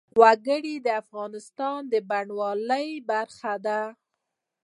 وګړي د افغانستان د بڼوالۍ برخه ده.